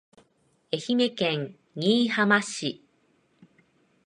愛媛県新居浜市